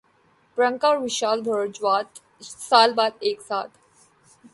پریانکا اور وشال بھردواج سال بعد ایک ساتھ